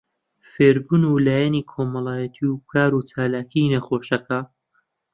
فێربوون و لایەنی کۆمەڵایەتی و کاروچالاکی نەخۆشەکە